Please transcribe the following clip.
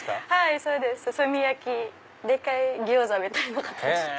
はいそうです。